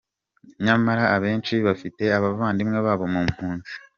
Nyamara abenshi bafite abavandimwe babo mu mpunzi.